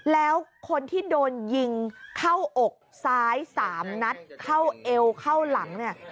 แล้วคนที่โดนยิงเข้าอกซ้าย๓นัดเข้าเอวเข้าหลังเนี่ย